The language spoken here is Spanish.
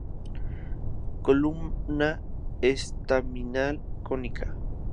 Columna estaminal cónica.